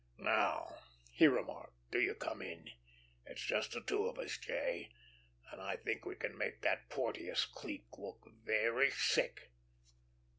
"Now," he remarked, "do you come in? It's just the two of us, J., and I think we can make that Porteous clique look very sick."